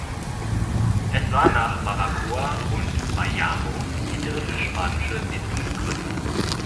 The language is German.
Es war nach Baracoa und Bayamo die dritte spanische Siedlungsgründung.